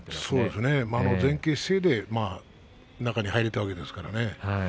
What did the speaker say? そうですねあの前傾姿勢で中に入れたわけですからね